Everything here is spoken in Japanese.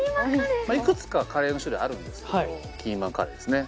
いくつかカレーの種類あるんですけどキーマカレーですね。